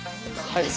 はい。